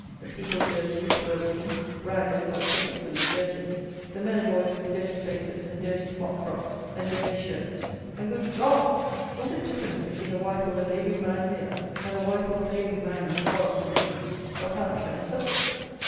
The people dirty, poor looking; ragged, but particularly dirty. The men and boys with dirty faces, and dirty smock frocks, and dirty shirts; and, good God! what a difference between the wife of a labouring man here, and the wife of a labouring man in the forests and woodlands of Hampshire and Sussex!